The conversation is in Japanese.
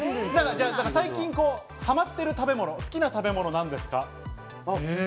最近ハマってる食べ物、好きな食べ物なんですか？